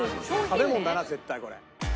食べ物だな絶対これ。